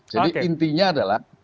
jadi intinya adalah